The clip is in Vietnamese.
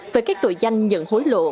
về các tội danh nhận hối lộ